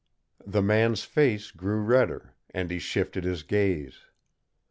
The man's red face grew redder, and he shifted his gaze.